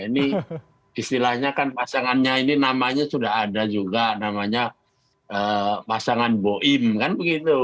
ini istilahnya kan pasangannya ini namanya sudah ada juga namanya pasangan boim kan begitu